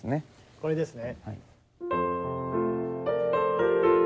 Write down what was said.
これですね。